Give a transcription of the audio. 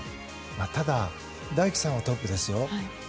ただ、大輝さんはトップですよ。